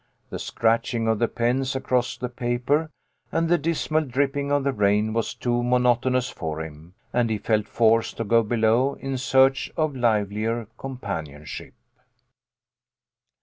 The scratching of the pens across the paper and the dismal dripping of the rain was too monotonous for him, and he felt forced to go below in search of livelier companionship.